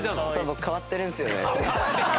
僕変わってるんですよね。